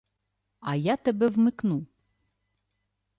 — А я тебе вмикну.